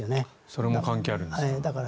それも関係あるんですか。